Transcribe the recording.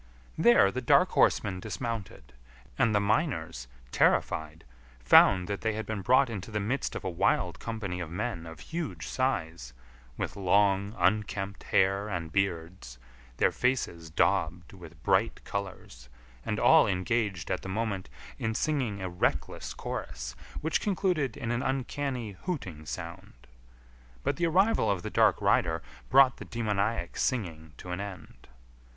There the dark horseman dismounted, and the miners, terrified, found that they had been brought into the midst of a wild company of men of huge size, with long, unkempt hair and beards, their faces daubed with bright colours, and all engaged at the moment in singing a reckless chorus which concluded in an uncanny hooting sound. But the arrival of the dark rider brought the demoniac singing to an end.